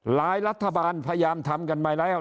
หลายรัฐบาลพยายามทำกันไปแล้ว